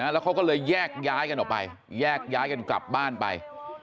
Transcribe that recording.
แล้วเขาก็เลยแยกย้ายกันออกไปแยกย้ายกันกลับบ้านไป